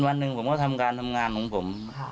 วันหนึ่งผมก็ทำการทำงานของผม